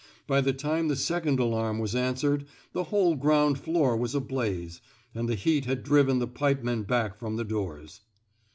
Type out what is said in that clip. By the time the second alarm was answered, the whole ground floor was ablaze, and the heat had driven the pipemen back from the doors.